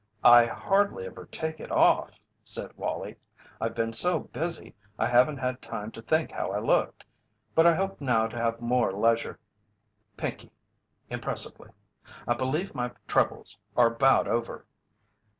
"I hardly ever take it off," said Wallie. "I've been so busy I haven't had time to think how I looked, but I hope now to have more leisure. Pinkey," impressively, "I believe my troubles are about over."